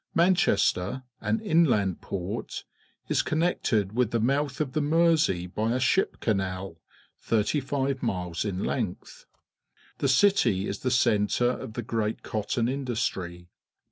Manchester, an inland port, is connected with the mouth of the Mersey by a ship canal, tliirty five miles in length. The city is the centre of the great cotton industry.